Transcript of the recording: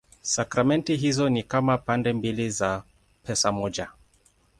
Sakramenti hizo ni kama pande mbili za pesa moja.